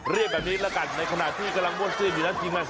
เรียกแบบนี้แล้วกันในขณะที่กำลังวดซึมอยู่นั้นจริงมั้ย